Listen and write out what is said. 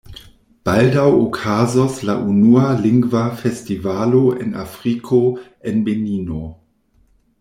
Baldaŭ okazos la unua Lingva Festivalo en Afriko, en Benino.